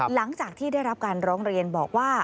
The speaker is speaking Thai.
หลังจากที่ได้รับการร้องเรียนบอกว่า